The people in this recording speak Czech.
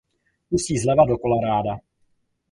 Ústí zleva do Colorada.